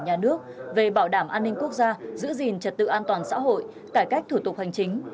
nhà nước về bảo đảm an ninh quốc gia giữ gìn trật tự an toàn xã hội cải cách thủ tục hành chính